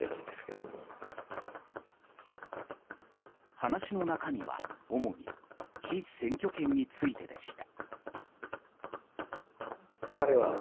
話の中身は主に被選挙権についてでした。